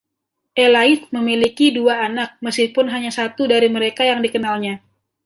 Elaith memiliki dua anak, meskipun hanya satu dari mereka yang dikenalnya.